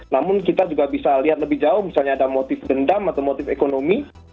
namun kita juga bisa lihat lebih jauh misalnya ada motif dendam atau motif ekonomi